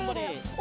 お！